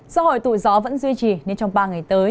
do hồi tụi gió vẫn duy trì nên trong ba ngày tới